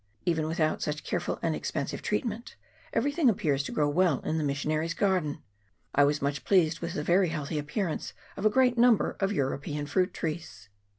Even without such careful and expensive treatment, everything appears to grow well in the missionary's garden. I was much pleased with the very healthy appearance of a great number of Euro pean fruit trees.